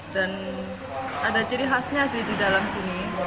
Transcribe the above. dan ada ciri khasnya di dalam sini